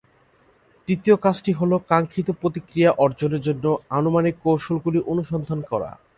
তৃতীয় কাজটি হ'ল কাঙ্ক্ষিত প্রতিক্রিয়া অর্জনের জন্য আনুমানিক কৌশলগুলি অনুসন্ধান করা।